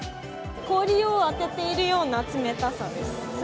氷を当てているような冷たさです。